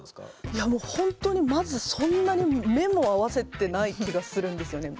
いやもうほんとにまずそんなに目も合わせてない気がするんですよね。